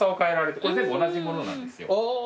これ全部同じものなんですよ。